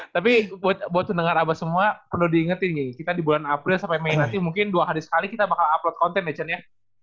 tapi buat mendengar abah semua perlu diingetin nih kita di bulan april sampai mei nanti mungkin dua hari sekali kita bakal upload konten ya chan ya